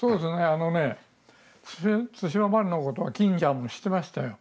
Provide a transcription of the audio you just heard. あのね対馬丸のことは金ちゃんも知ってましたよ。